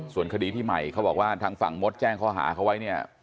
ส่วนคดีที่ใหม่เขาบอกว่าทางฝั่งมดแจ้งข้อหาเขาไว้เนี่ย